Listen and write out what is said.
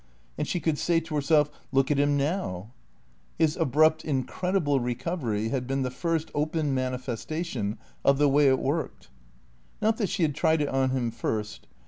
And she could say to herself, "Look at him now!" His abrupt, incredible recovery had been the first open manifestation of the way it worked. Not that she had tried it on him first.